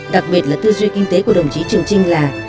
đặc biệt là tư duy kinh tế của đồng chí trường trinh là